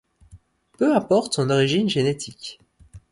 Peu importe son origine génétique.